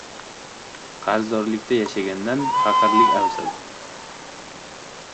• Qarzdorlikda yashagandan faqirlik afzal.